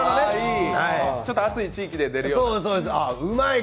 ちょっと暑い地域で出るような。